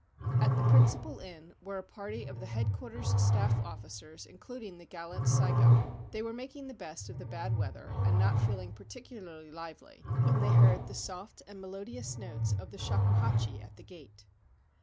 At the principal inn were a party of the Headquarters' Staff officers, including the gallant Saigo. They were making the best of the bad weather, and not feeling particularly lively, when they heard the soft and melodious notes of the shakuhachi at the gate.